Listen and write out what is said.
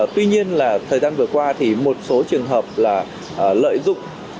tuy nhiên là thời gian vừa qua thì một số trường hợp là lợi dụng